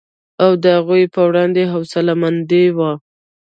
او د هغوی په وړاندې حوصله مند وي